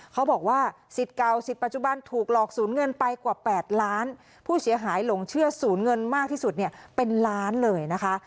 เขาบอกว่าสิทธิ์เก่าสิทธิปัจจุบันถูกหลอกศูนย์เงินไปกว่า๘ล้านผู้เสียหายหลงเชื่อศูนย์เงินมากที่สุดเนี่ยเป็นล้านเลยนะคะ